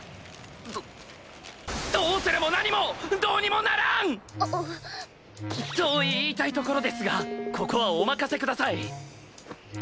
どどうするも何もどうにもならん！！と言いたいところですがここはお任せください。